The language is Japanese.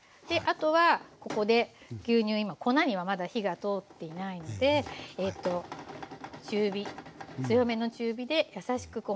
であとはここで牛乳今粉にはまだ火が通っていないので強めの中火でやさしく